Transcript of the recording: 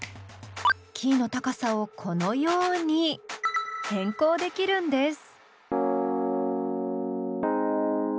キーの高さをこのように変更できるんです。